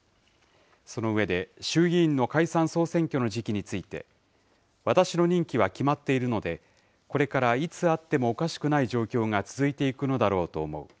その上で、衆議院の解散・総選挙の時期について、私の任期は決まっているので、これからいつあってもおかしくない状況が続いていくのだろうと思う。